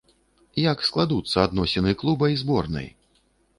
Як складуцца адносіны клуба і зборнай?